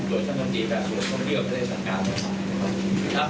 โดยท่านบัญชีการส่วนธรรมดีของประเทศสังการนะครับ